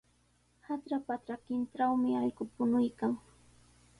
Hatrapa trakintrawmi allqu puñuykan.